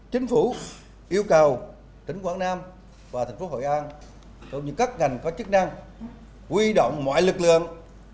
chính phủ yêu cầu tỉnh quảng nam và thành phố hội an cũng như các ngành có chức năng quy động mọi lực lượng